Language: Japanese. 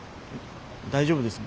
大丈夫です